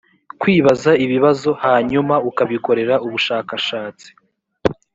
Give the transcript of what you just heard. kwibaza ibibazo hanyuma ukabikorera ubushakashatsi.